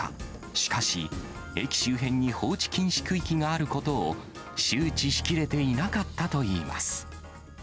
しかし、駅周辺に放置禁止区域があることを、周知しきれていなかったといいます。